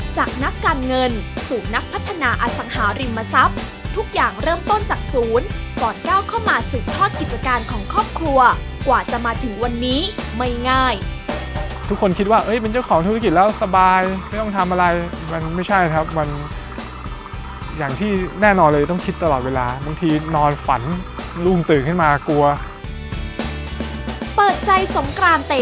จากนักการเงินสู่นักพัฒนาอสังหาริมทรัพย์ทุกอย่างเริ่มต้นจากศูนย์ก่อนก้าวเข้ามาสืบทอดกิจการของครอบครัวกว่าจะมาถึงวันนี้ไม่ง่ายทุกคนคิดว่าเอ้ยเป็นเจ้าของธุรกิจแล้วสบายไม่ต้องทำอะไรมันไม่ใช่ครับมันอย่างที่แน่นอนเลยต้องคิดตลอดเวลาบางทีนอนฝันลุ่มตื่นขึ้นมากลัวเปิดใจสงกรานเต